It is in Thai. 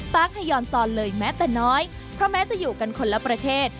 ให้ย้อนสอนเลยแม้แต่น้อยเพราะแม้จะอยู่กันคนละประเทศ